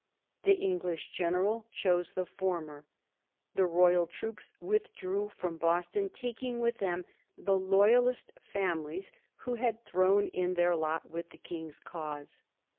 The English general chose the former. The royal troops withdrew from Boston, taking with them the loyalist families who had thrown in their lot with the King's cause.